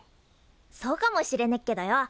そうかもしれねっけどよ